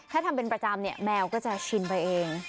ถ้าทำเป็นประจำเนี่ยแมวก็จะชินไปเอง